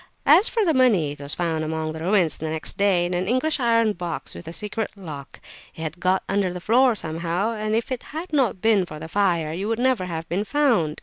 As for the money, it was found among the ruins next day in an English iron box with a secret lock; it had got under the floor somehow, and if it had not been for the fire it would never have been found!